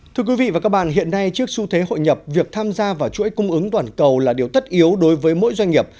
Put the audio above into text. thưa quý vị và các bạn hiện nay trước xu thế hội nhập việc tham gia vào chuỗi cung ứng toàn cầu là điều tất yếu đối với mỗi doanh nghiệp